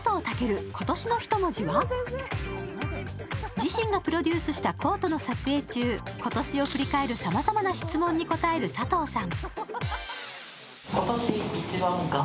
自身がプロデュースしたコートの撮影中、今年を振り返る様々な質問に答える佐藤さん。